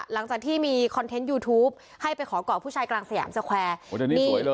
หลังจากที่มีคอนเทนต์ยูทูปให้ไปขอก่อผู้ชายกลางสยามสแควร์